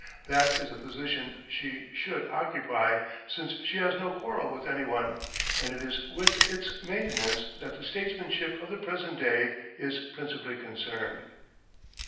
That is the position she should occupy, since she has no quarrel with any one; and it is with its maintenance that the statesmanship of the present day is principally concerned.